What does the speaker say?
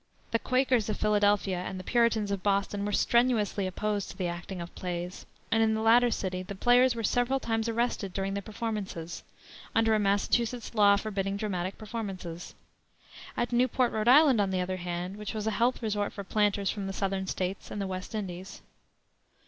The Quakers of Philadelphia and the Puritans of Boston were strenuously opposed to the acting of plays, and in the latter city the players were several times arrested during the performances, under a Massachusetts law forbidding dramatic performances. At Newport, R. I., on the other hand, which was a health resort for planters from the Southern States and the West Indies.